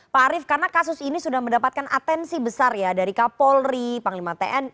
pak arief karena kasus ini sudah mendapatkan atensi besar ya dari kapolri panglima tni